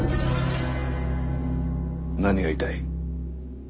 何が言いたい？